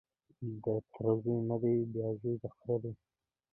د تره زوی نه دی بیا زوی د خره دی